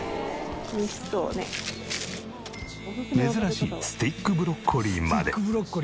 珍しいスティックブロッコリーまで。